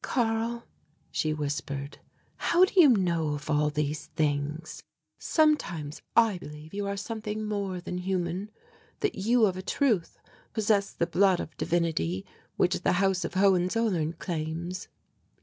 "Karl," she whispered, "how do you know of all these things? Sometimes I believe you are something more than human, that you of a truth possess the blood of divinity which the House of Hohenzollern claims."